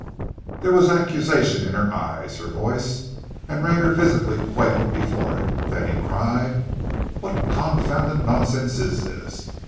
There was accusation in her eyes, her voice, and Rayner visibly quailed before it. Then he cried "What confounded nonsense is this?"